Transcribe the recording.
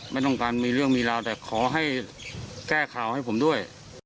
ไม่ต้องการมีเรื่องมีราวแต่ขอให้แก้ข่าวให้ผมด้วย